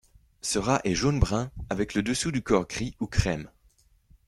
Ce rat est jaune-brun, avec le dessous du corps gris ou crème.